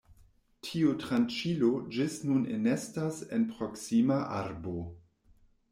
Tiu tranĉilo ĝis nun enestas en proksima arbo.